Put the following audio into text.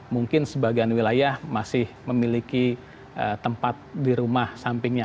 mungkin sebagian wilayah masih memiliki tempat di rumah sampingnya